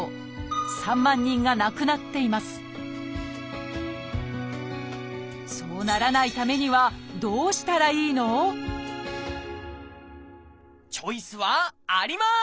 ３万人が亡くなっていますそうならないためにはチョイスはあります！